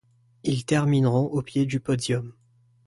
Il termineront au pied du podium.